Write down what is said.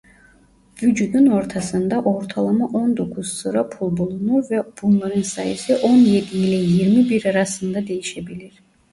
Vücudun ortasında ortalama on dokuz sıra pul bulunur ve bunların sayısı on yedi ile yirmi bir arasında değişebilir.